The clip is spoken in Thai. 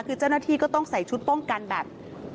คือเจ้าหน้าที่ก็ต้องใส่ชุดป้องกันแบบ